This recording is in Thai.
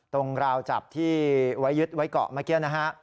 ราวจับที่ไว้ยึดไว้เกาะเมื่อกี้นะฮะ